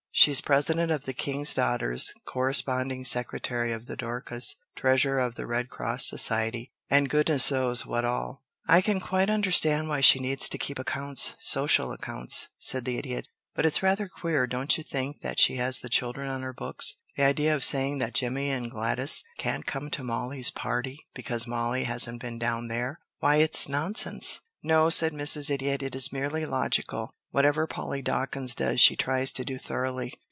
She's president of the King's Daughters, corresponding secretary of the Dorcas, treasurer of the Red Cross Society, and goodness knows what all!" "I can quite understand why she needs to keep accounts social accounts," said the Idiot. "But it's rather queer, don't you think, that she has the children on her books? The idea of saying that Jimmie and Gladys can't come to Mollie's party because Mollie hasn't been down there why, it's nonsense!" "No," said Mrs. Idiot, "it is merely logical. Whatever Polly Dawkins does she tries to do thoroughly.